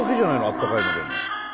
あったかいのでも。